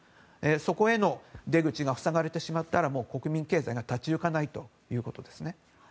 そこへの出口が塞がれてしまったら国民経済が立ち行かないということですね。